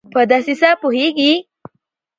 په دسیسه پوهیږي